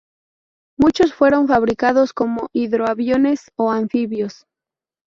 Muchos fueron fabricados como hidroaviones o anfibios.